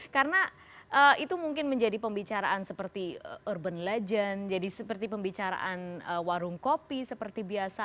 karena itu mungkin menjadi pembicaraan seperti urban legend jadi seperti pembicaraan warung kopi seperti biasa